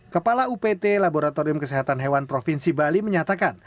kepala upt laboratorium kesehatan hewan provinsi bali menyatakan